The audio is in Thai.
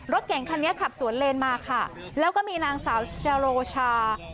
รถเก่งคันนี้ขับสวนเลนมาค่ะแล้วก็มีนางสาวจโรชา